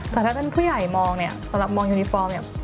แต่ถ้าเป็นผู้ใหญ่มองสำหรับมองยูนิฟอร์ม